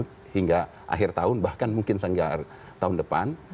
bahkan mungkin sehingga akhir tahun bahkan mungkin sehingga tahun depan